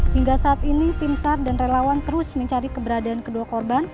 hingga saat ini tim sar dan relawan terus mencari keberadaan kedua korban